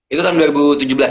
itu tahun dua ribu tujuh belas